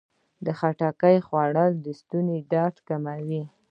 د خټکي خوړل د ستوني درد کموي.